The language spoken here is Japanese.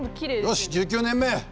よし１９年目。